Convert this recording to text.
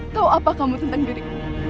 tahu apa kamu tentang diri